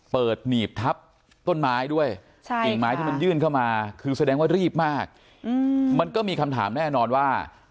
หนีบทับต้นไม้ด้วยกิ่งไม้ที่มันยื่นเข้ามาคือแสดงว่ารีบมากมันก็มีคำถามแน่นอนว่า